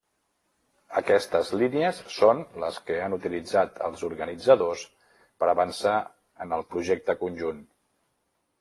Aquestes línies són les que han utilitzat els organitzadors per avançar en el projecte conjunt.